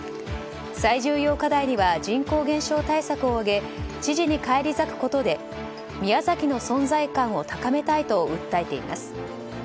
最重要課題には人口減少対策を掲げ知事に返り咲くことで宮崎の存在感を高めたいと訴えています。